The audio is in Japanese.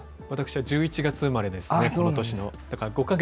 私は１１月生まれですね、その年の。